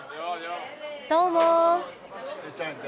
どうも。